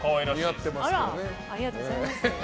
あら、ありがとうございます。